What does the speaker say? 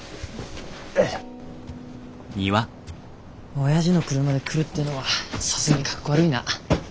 おやじの車で来るっていうのはさすがにかっこ悪いな。